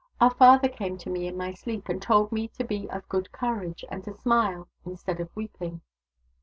" Our father came to me in my sleep, and told me to be of good courage and to smile instead of weeping."